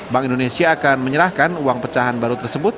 bank indonesia akan menyerahkan uang pecahan baru tersebut